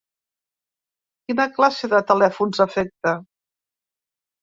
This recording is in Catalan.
Quina classe de telèfons afecta?